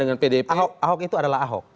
ahok itu adalah ahok